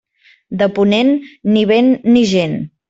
De ponent, ni vent ni gent.